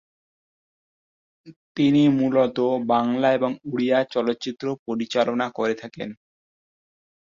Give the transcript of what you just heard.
তিনি মূলত বাংলা এবং ওড়িয়া চলচ্চিত্র পরিচালনা করে থাকেন।